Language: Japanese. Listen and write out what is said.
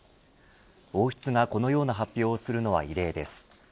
王室がこのような発表をするのは異例です。